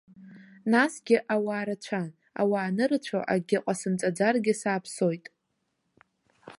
Насгьы, ауаа рацәан, ауаа анырацәоу акгьы ҟасымҵаӡаргьы сааԥсоит.